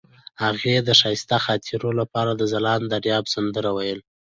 هغې د ښایسته خاطرو لپاره د ځلانده دریاب سندره ویله.